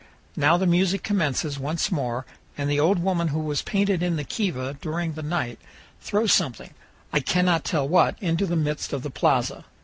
Now the music commences once more, and the old woman who was painted in the kiva during the night throws something, I cannot tell what, into the midst of the plaza.